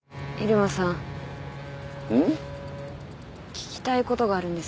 聞きたいことがあるんです。